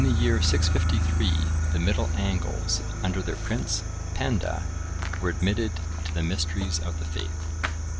_] In the year 653, the Middle Angles, under their prince, Penda, were admitted to the mysteries of the faith.